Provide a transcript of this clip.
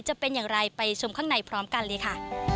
จะเป็นอย่างไรไปชมข้างในพร้อมกันเลยค่ะ